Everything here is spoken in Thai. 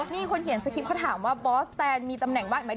นี่คนเขียนสคริปเขาถามว่าบอสแตนมีตำแหน่งบ้างไหม